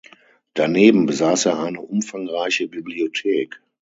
Daneben besaß er eine umfangreiche Bibliothek.